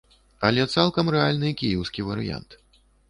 Але цалкам рэальны кіеўскі варыянт.